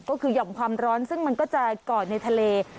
ก็คือห่อมความร้อนซึ่งมันก็จะก่อในทะเล